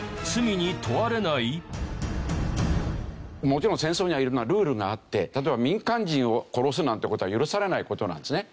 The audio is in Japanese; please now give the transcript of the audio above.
もちろん戦争には色んなルールがあって例えば民間人を殺すなんて事は許されない事なんですね。